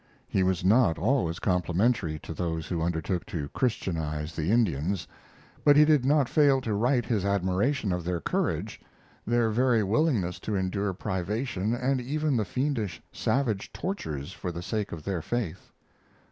He was not always complimentary to those who undertook to Christianize the Indians; but he did not fail to write his admiration of their courage their very willingness to endure privation and even the fiendish savage tortures for the sake of their faith.